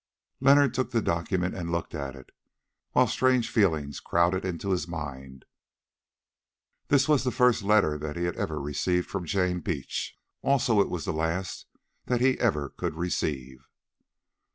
Leonard took the document and looked at it, while strange feelings crowded into his mind. This was the first letter that he had ever received from Jane Beach; also it was the last that he ever could receive.